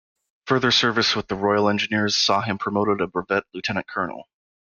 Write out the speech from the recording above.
Further service with the Royal Engineers saw him promoted a brevet Lieutenant-colonel.